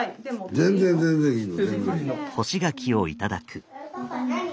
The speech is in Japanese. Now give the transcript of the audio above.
全然全然いいの。